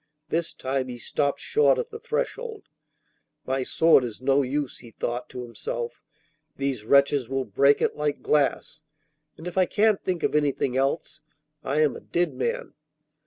This time he stopped short at the threshold. 'My sword is no use,' he thought to himself; 'these wretches will break it like glass, and if I can't think of anything else, I am a dead man.